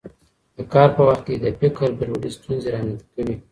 د کار په وخت کې د فکر ګډوډي ستونزې رامنځته کوي.